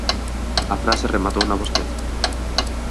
A frase rematouna vostede.